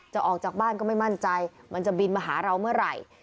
ออกจากบ้านก็ไม่มั่นใจมันจะบินมาหาเราเมื่อไหร่